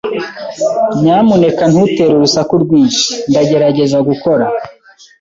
Nyamuneka ntutere urusaku rwinshi. Ndagerageza gukora.